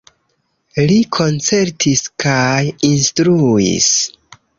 Li koncertis kaj instruis.